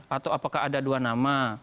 atau apakah ada dua nama